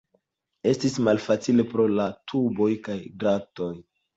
Estis malfacile pro la tuboj kaj dratoj.